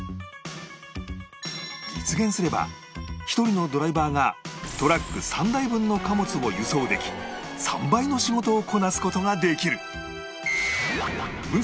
実現すれば１人のドライバーがトラック３台分の貨物を輸送でき３倍の仕事をこなす事ができる